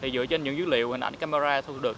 dựa trên những dữ liệu hình ảnh camera thu được